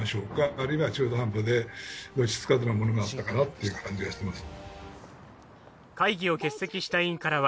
あるいは中途半端でどっちつかずのものがあったかなっていう感じがしてます。